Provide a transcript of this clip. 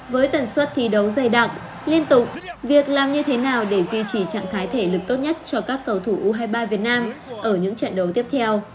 với tần suất thi đấu dày đặc liên tục việc làm như thế nào để duy trì trạng thái thể lực tốt nhất cho các cầu thủ u hai mươi ba việt nam ở những trận đấu tiếp theo